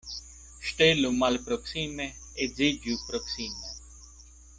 Ŝtelu malproksime, edziĝu proksime.